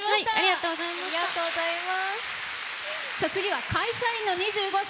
次は、会社員の２５歳。